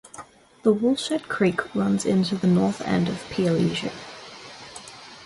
The Woolshed Creek runs into the north end of Pialligo.